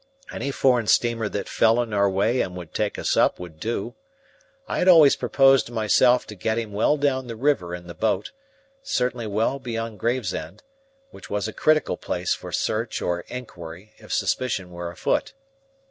Any foreign steamer that fell in our way and would take us up would do. I had always proposed to myself to get him well down the river in the boat; certainly well beyond Gravesend, which was a critical place for search or inquiry if suspicion were afoot.